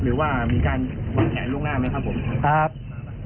หรือว่ามีการแห่งลูกหน้าไหมครับผม